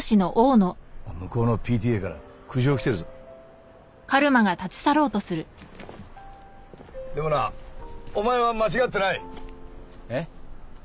向こうのＰＴＡから苦情来てるぞでもなお前は間違ってないえ？